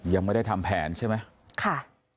ยังไม่ได้ทำแผนใช่ไหมค่ะ